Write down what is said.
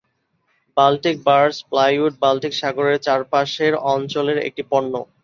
Baltic birch plywood Baltic সাগরের চারপাশের অঞ্চলের একটি পণ্য।